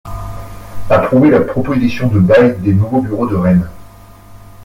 Approuver la proposition de bail des nouveaux bureaux de Rennes.